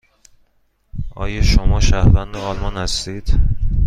آیا شما شهروند آلمان هستید؟